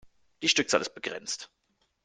Die Stückzahl ist begrenzt.